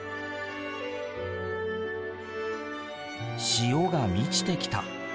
潮が満ちてきた。